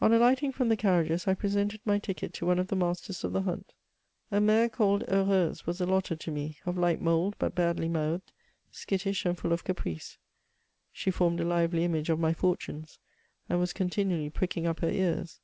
On alighting from the carriages, I presented my ticket to one of the masters of the hunt. A mare called Heureuse was allotted to me — of light mould, but badly mouthed, skittish and full of caprice ; she formed a lively image of my fortunes, and was continually pricking up her ears.